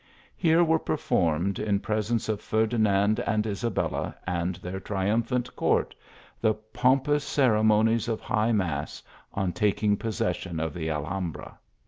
Here were performed, ; n presence of Ferdinand and Isabella, and their tn umphant court, the pompous ceremonies of high mass, on taking possession of the Alhambra.